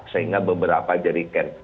sehingga beberapa jerigen